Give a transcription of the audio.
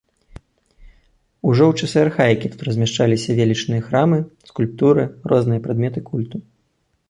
Ужо ў часы архаікі тут размяшчаліся велічныя храмы, скульптуры, розныя прадметы культу.